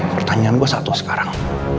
pertanyaan gua satu sekarang